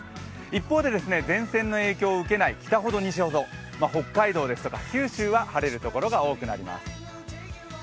一方で、前線の影響を受けない北や西ほど、北海道や九州などは晴れる所が多くなります。